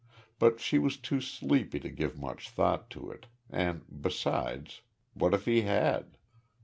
But she was too sleepy to give much thought to it, and, besides, what if he had?...